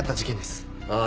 ああ。